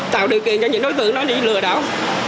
tạo điều kiện cho những đối tượng đó bị lừa đảo